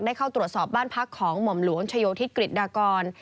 เข้าตรวจสอบบ้านพักของหม่อมหลวงชโยธิศกริจดากร